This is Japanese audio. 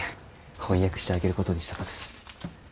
翻訳してあげることにしたとです。